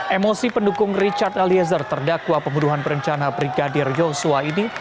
emosi pendukung richard eliezer terdakwa pembunuhan berencana brigadir yosua ini